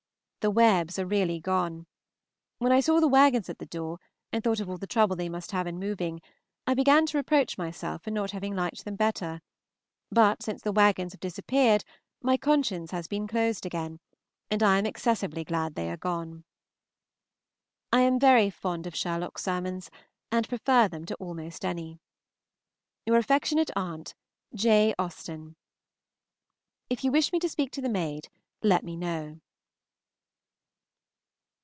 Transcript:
The Webbs are really gone! When I saw the wagons at the door, and thought of all the trouble they must have in moving, I began to reproach myself for not having liked them better; but since the wagons have disappeared my conscience has been closed again, and I am excessively glad they are gone. I am very fond of Sherlock's sermons, and prefer them to almost any. Your affectionate aunt, J. AUSTEN. If you wish me to speak to the maid, let me know.